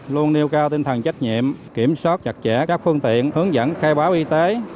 luôn nêu cao tinh thần trách nhiệm kiểm soát chặt chẽ các phương tiện hướng dẫn khai báo y tế